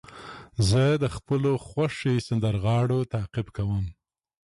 زه د خپلو خوښې سندرغاړو تعقیب کوم.